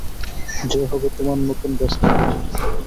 যে হবে তোমার নতুন বেস্ট ফ্রেন্ড।